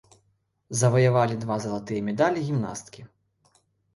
Заваявалі два залатыя медалі гімнасткі.